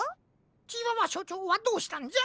チワワしょちょうはどうしたんじゃ？